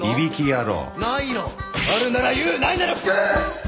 あるなら言うないなら拭く！